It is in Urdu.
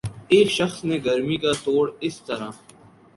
ایک شخص نے گرمی کا توڑ اس طرح